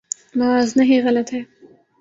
موازنہ ہی غلط ہے۔